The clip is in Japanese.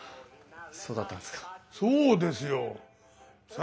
そうだったんですか。